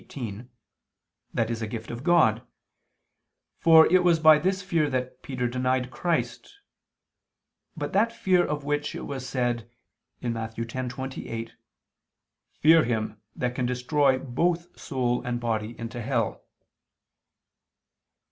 xviii), "that is a gift of God" for it was by this fear that Peter denied Christ but that fear of which it was said (Matt. 10:28): "Fear Him that can destroy both soul and body into hell."